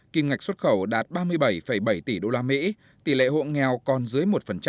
kim ngạch xuất khẩu đạt ba mươi bảy bảy tỷ đô la mỹ tỷ lệ hộ nghèo còn dưới một